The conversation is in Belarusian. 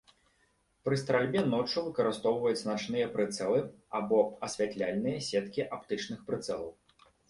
Пры стральбе ноччу выкарыстоўваюць начныя прыцэлы або асвятляльныя сеткі аптычных прыцэлаў.